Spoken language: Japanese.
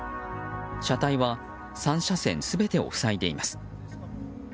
車体は３車線全てを塞いでいます。